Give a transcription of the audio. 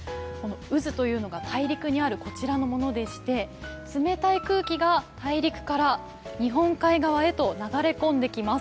渦というのが大陸にあるこちらのものでして、冷たい空気が大陸から日本海側へ流れ込んできます。